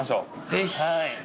ぜひ。